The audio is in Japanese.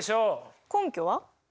根拠は？